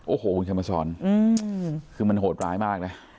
โอ้โหคุณชมชรคือมันโหดร้ายมากเลย